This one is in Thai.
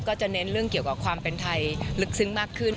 จะเน้นเรื่องเกี่ยวกับความเป็นไทยลึกซึ้งมากขึ้น